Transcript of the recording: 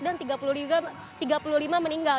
dan tiga puluh lima meningkat